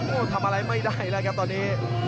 โอ้โหทำอะไรไม่ได้แล้วครับตอนนี้